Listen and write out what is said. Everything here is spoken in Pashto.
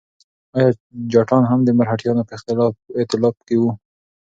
ایا جټان هم د مرهټیانو په ائتلاف کې وو؟